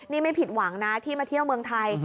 นี่ไม่ผิดหวังนะที่มาเที่ยวเมืองไทย